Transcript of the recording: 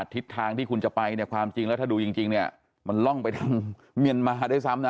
ทิศทางที่คุณจะไปเนี่ยความจริงแล้วถ้าดูจริงเนี่ยมันล่องไปทางเมียนมาด้วยซ้ำนะ